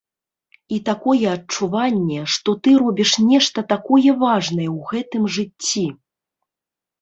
І такое адчуванне, што ты робіш нешта такое важнае ў гэтым жыцці.